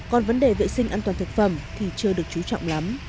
còn vấn đề vệ sinh an toàn thực phẩm thì chưa được chú trọng lắm